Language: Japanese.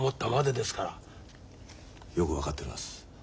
よく分かっております。